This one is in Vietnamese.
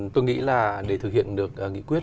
tôi nghĩ là để thực hiện được nghị quyết